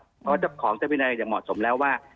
เพราะว่าเจ้าของเจ้าพินัยจะเหมาะสมแล้วว่า